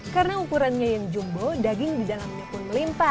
karena ukurannya yang jumbo daging di dalamnya pun melimpa